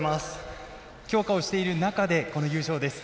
強化をしている中での優勝です。